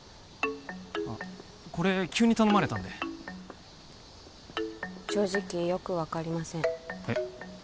これ急に頼まれたんで正直よく分かりませんえっ